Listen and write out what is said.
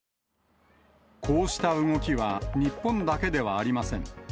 こうした動きは、日本だけではありません。